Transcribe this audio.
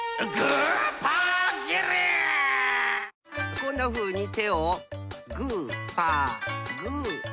こんなふうに手をグーパーグーパー。